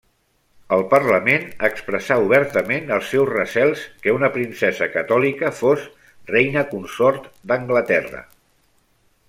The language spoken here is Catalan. El Parlament expressà obertament els seus recels que una princesa catòlica fos reina consort d'Anglaterra.